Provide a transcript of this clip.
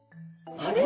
あれ？